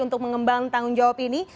untuk mengembang tanggung jawab ini